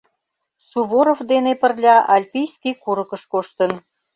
Суворов дене пырля Альпийский курыкыш коштын.